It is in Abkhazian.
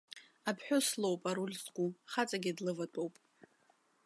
Аԥҳәыс лоуп аруль зку, хаҵакгьы длыватәоуп.